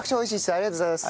ありがとうございます。